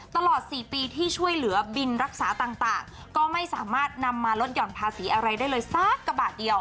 ตลอด๔ปีที่ช่วยเหลือบินรักษาต่างก็ไม่สามารถนำมาลดหย่อนภาษีอะไรได้เลยสักกระบาทเดียว